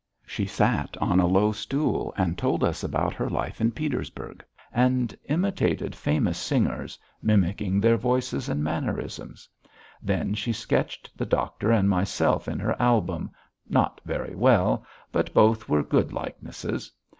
She sat on a low stool and told us about her life in Petersburg, and imitated famous singers, mimicking their voices and mannerisms; then she sketched the doctor and myself in her album, not very well, but both were good likenesses.